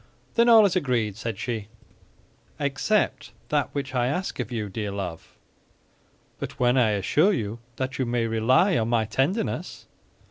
"Then all is agreed?" said she. "Except that which I ask of you, dear love." "But when I assure you that you may rely on my tenderness?"